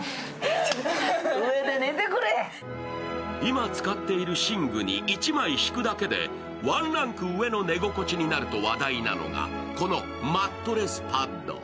今使っている寝具に１枚敷くだけでワンランク上の寝心地になると話題なのがこのマットレスパッド。